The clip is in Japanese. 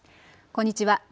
こんにちは。